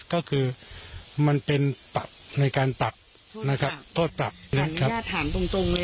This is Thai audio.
ก็คือมันเป็นปรับในการปรับนะครับโทษปรับนะครับถ้าถามตรงตรงเลย